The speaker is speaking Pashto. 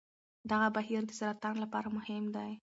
دغه بهیر د سرطان لپاره مهم دی.